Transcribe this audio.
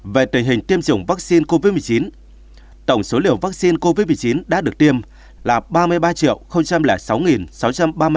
về tình hình tiêm chủng vaccine covid một mươi chín tổng số liều vaccine covid một mươi chín đã được tiêm là ba mươi ba sáu trăm ba mươi hai ca